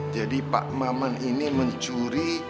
jadi pak maman ini mencuri